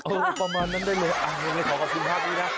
เออประมาณนั้นได้เลยขอขอบคุณภาพนี้นะ